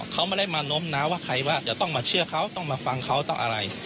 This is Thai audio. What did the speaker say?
เขาไม่ได้มาล้มนะว่าใครว่าจะต้องมาเชื่อเขาต้องมาฟังเขาต้องอะไร